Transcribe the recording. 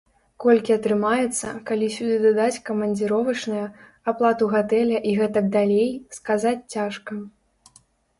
Колькі атрымаецца, калі сюды дадаць камандзіровачныя, аплату гатэля і гэтак далей, сказаць цяжка.